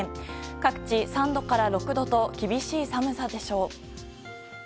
各地、３度から６度と厳しい寒さでしょう。